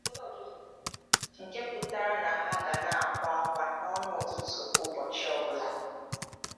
nke pụtara na ha ga na-akwa ákwá n'ọnụ ụtụtụ ụbọchị ọbụla